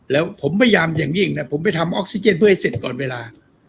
แล้วผมพยายามอย่างยิ่งนะผมไปทำออกซิเจนเพื่อให้เสร็จก่อนเวลา